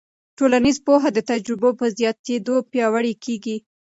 ټولنیز پوهه د تجربو په زیاتېدو پیاوړې کېږي.